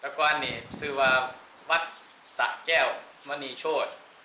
แต่ก่อนนี้ชื่อว่าวัดสะแก้วมณีโชธ